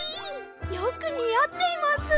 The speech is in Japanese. よくにあっています！